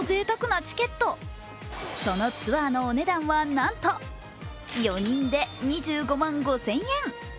そのツアーのお値段はなんと４人で２５万５０００円。